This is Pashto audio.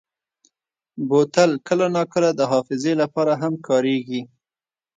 بوتل کله ناکله د حافظې لپاره هم کارېږي.